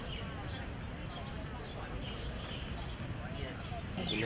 นี่คือแหงลักษณะจริง